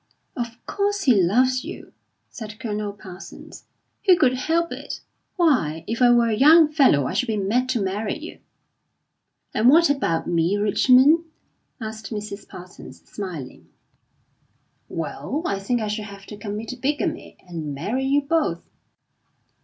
"Of course he loves you!" said Colonel Parsons. "Who could help it? Why, if I were a young fellow I should be mad to marry you." "And what about me, Richmond?" asked Mrs. Parsons, smiling. "Well, I think I should have to commit bigamy, and marry you both."